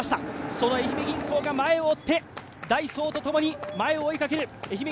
その愛媛銀行が前を追って、ダイソーと共に前を追いかける。